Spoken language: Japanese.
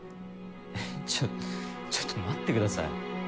えっちょっちょっと待ってください